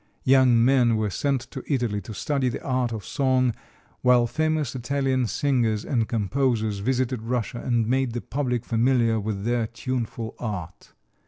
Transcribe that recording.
Young men were sent to Italy to study the art of song, while famous Italian singers and composers visited Russia and made the public familiar with their tuneful art.